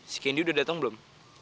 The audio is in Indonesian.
si candy udah datang belum